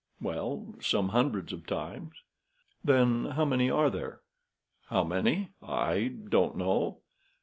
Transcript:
"Well, some hundreds of times." "Then how many are there?" "How many? I don't know."